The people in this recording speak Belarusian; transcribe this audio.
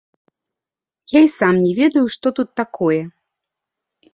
Я і сам не ведаю, што тут такое.